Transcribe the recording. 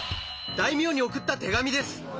大名に送った手紙です！